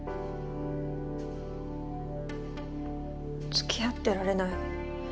付き合ってられない。